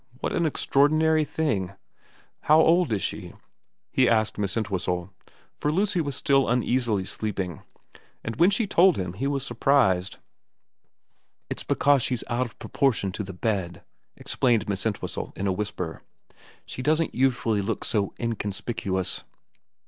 What an extraordinary thing.' * How old is she ?' he asked Miss Entwhistle, for Lucy was still uneasily sleeping ; and when she told him he was surprised. ' It's because she's out of proportion to the bed,' 320 VERA xxvm explained Miss Entwhistle in a whisper. ' She doesn't usually look so inconspicuous.